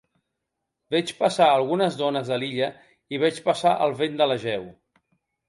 Veig passar algunes dones de l'illa i veig passar el vent de l'Egeu.